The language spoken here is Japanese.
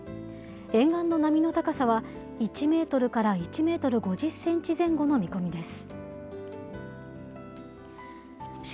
沿岸の波の高さは１メートルから１メートル５０センチ前後の見込みです。